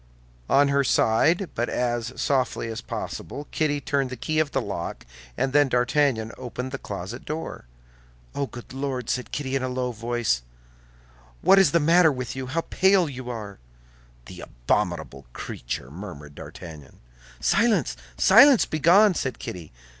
On her side, but as softly as possible, Kitty turned the key of the lock, and then D'Artagnan opened the closet door. "Oh, good Lord!" said Kitty, in a low voice, "what is the matter with you? How pale you are!" "The abominable creature," murmured D'Artagnan. "Silence, silence, begone!" said Kitty.